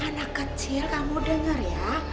anak kecil kamu dengar ya